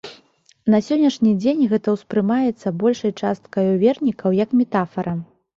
На сённяшні дзень гэта ўспрымаецца большай часткаю вернікаў як метафара.